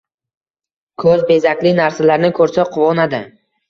Ko‘z bezakli narsalarni ko‘rsa, quvonadi.